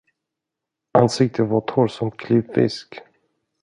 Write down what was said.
Ansiktet var torrt som klippfisk.